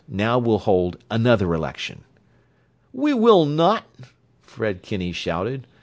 Now we'll hold another election." "We will not!" Fred Kinney shouted.